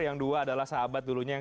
yang dua adalah sahabat dulunya